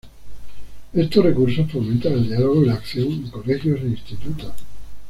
Estos recursos fomentan el diálogo y la acción en colegios e institutos.